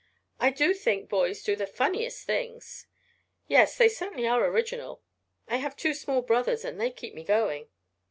"I do think boys do the funniest things." "Yes, they certainly are original. I have two small brothers and they keep me going."